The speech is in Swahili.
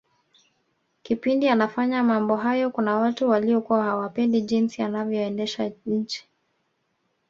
kipindi anafanya mambo hayo Kuna watu waliokuwa hawapendi jinsi anavyoendesha nchi